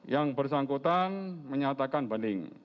yang bersangkutan menyatakan banding